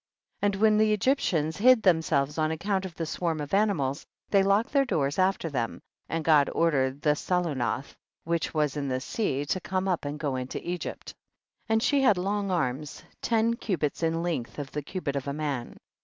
19. And when tlie Egyptians hid themselves on account of the swarm of animals, they locked their doors after them, and God ordered the Sulanuth* which was in the sea, to come up and go into Egypt. 20. And she had long arms, ten cubits in Icnglli of the cubit of a man.